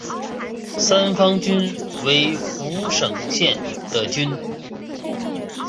三方郡为福井县的郡。